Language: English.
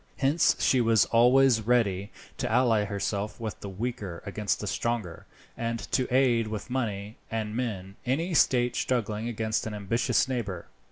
Hence she was always ready to ally herself with the weaker against the stronger, and to aid with money and men any state struggling against an ambitious neighbour.